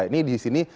ini di sini